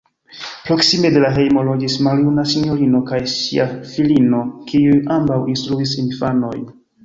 Proksime de la hejmo loĝis maljuna sinjorino kaj ŝia filino, kiuj ambaŭ instruis infanojn.